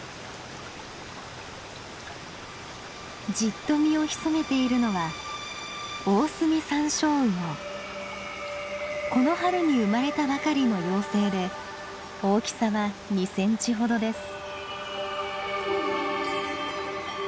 じっと身を潜めているのはこの春に生まれたばかりの幼生で大きさは２センチほどです。